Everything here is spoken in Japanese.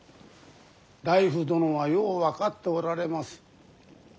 内府殿はよう分かっておられます。